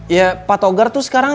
ya pak togar itu sekarang